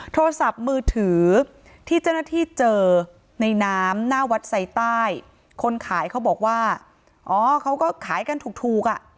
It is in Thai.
โทรศัพท์มือถือที่เจ้าหน้าที่เจอในน้ำหน้าวัดไซใต้คนขายเขาบอกว่าอ๋อเขาก็ขายกันถูกถูกอ่ะ